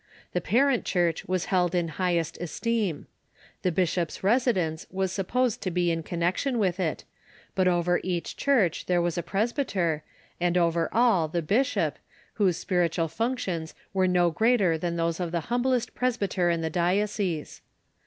The parent church was held in highest esteem. The bishop's residence was supposed to be in connection with it, but over each church there was a presbyter, and over all the bishop, whose spiritual functions were no greater than those 72 TIIK EARLY CHURCH of the humblest presbyter in the diocese.